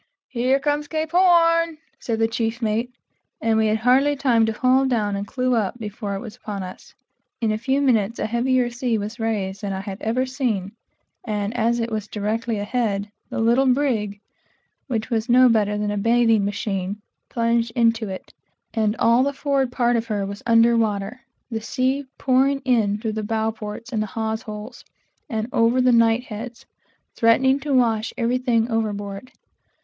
"Here comes the Cape Horn!" said the chief mate; and we had hardly time to haul down and clew up, before it was upon us. In a few moments, a heavier sea was raised than I had ever seen before, and as it was directly ahead, the little brig, which was no better than a bathing machine, plunged into it, and all the forward part of her was under water; the sea pouring in through the bow ports and hawse hole and over the knight heads, threatening to wash everything overboard.